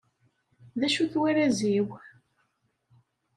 D acu-t warraz-iw?